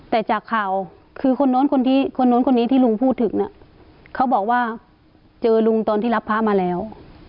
แต่จากข่าวคือคนโน้นคนที่คนนู้นคนนี้ที่ลุงพูดถึงน่ะเขาบอกว่าเจอลุงตอนที่รับพระมาแล้ว